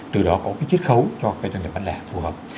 từ đó có cái chiết khấu cho cái doanh nghiệp bán lẻ phù hợp